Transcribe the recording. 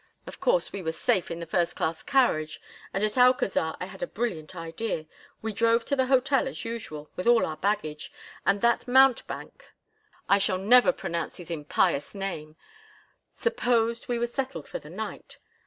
Of course, we were safe in the first class carriage, and at Alcazar I had a brilliant idea. We drove to the hotel, as usual, with all our baggage, and that mountebank—I shall never pronounce his impious name—supposed we were settled for the night.